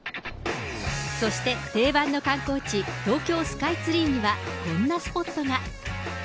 そして、定番の観光地、東京スカイツリーにはこんなスポットが。